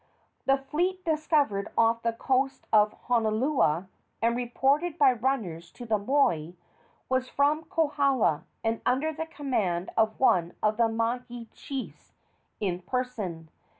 The fleet discovered off the coast of Honuaula, and reported by runners to the moi, was from Kohala and under the command of one of the Mahi chiefs in person.